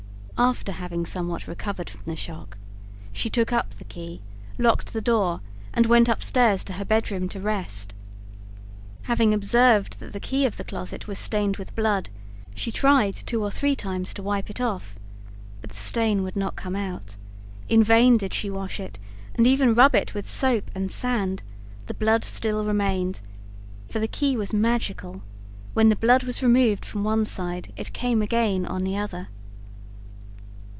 After having somewhat recovered from the shock, she took up the key, locked the door, and went upstairs to her bedroom to rest. Having observed that the key of the closet was stained with blood, she tried two or three times to wipe it off, but the stain would not come out; in vain did she wash it, and even rub it with soap and sand, the blood still remained, for the key was magical; when the blood was removed from one side it came again on the other.